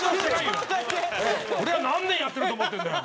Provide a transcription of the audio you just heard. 俺が何年やってると思ってるんだよ。